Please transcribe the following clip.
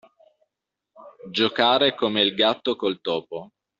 Giocare come il gatto col topo.